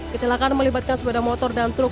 kecelakaan melibatkan sepeda motor dan truk